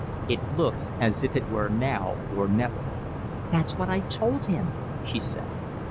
"It looks as if it were now or never." "That's what I told him," she said.